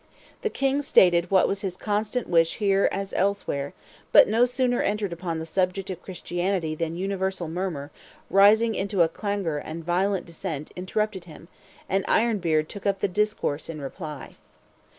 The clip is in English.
The king stated what was his constant wish here as elsewhere, but had no sooner entered upon the subject of Christianity than universal murmur, rising into clangor and violent dissent, interrupted him, and Ironbeard took up the discourse in reply.